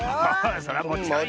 それはもちろんよ。